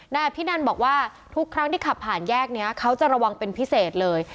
นายอภินันบอกว่าทุกครั้งที่ขับผ่านแยกนี้เขาจะระวังเป็นพิเศษเลย